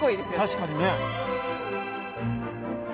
確かにね。